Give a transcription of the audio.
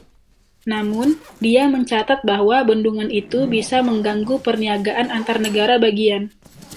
Namun, dia mencatat bahwa bendungan itu bisa mengganggu perniagaan antarnegara bagian.